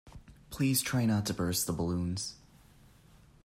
Please try not to burst the balloons